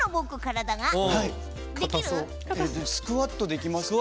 スクワットできますか？